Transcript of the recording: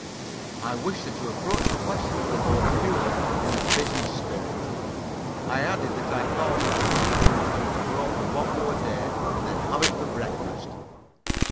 I wished her to approach the question of the loan purely in a business spirit. I added that I thought we would leave the mushroom to grow for one more day, and then have it for breakfast.